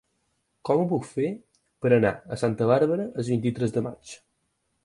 Com ho puc fer per anar a Santa Bàrbara el vint-i-tres de maig?